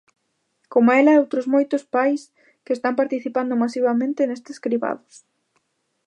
Coma ela outros moitos pais que están participando masivamente nestes cribados.